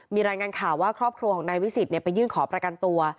มีรายงานข่าวว่าครอบครัวของนายวิสิทธิ์ไปยื่นขอประกันตัว